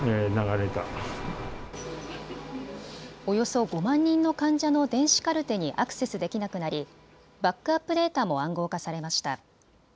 およそ５万人の患者の電子カルテにアクセスできなくなりバックアップデータも暗号化されました。